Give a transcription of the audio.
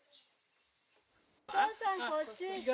お父さんこっち。